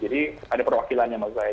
jadi ada perwakilannya maksud saya